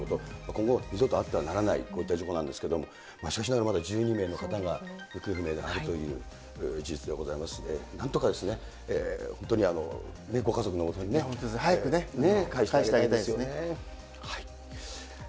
今後、事故があってはならない、こういった事故なんですけれども、しかしながら、まだ１２名の方が行方不明にあるという事実がございますんで、なんとか本当にご家族のためにね。早くね、かえしてあげたいですよね。